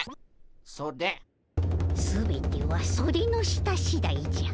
全てはソデの下しだいじゃ。